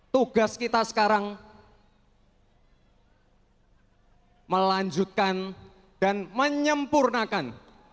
tugas kita sekarang melanjutkan dan menyempurnakan